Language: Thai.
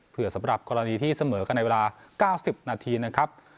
เพื่อสำหรับกรณีที่เสมอกันในเวลา๙๐นาทีนะครับ